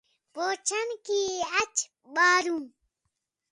بوچھݨ کَئی اچ ٻاہروں